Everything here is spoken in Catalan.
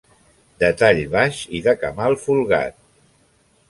De tall baix i de camal folgat.